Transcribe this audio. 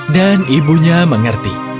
dan ibunya mengerti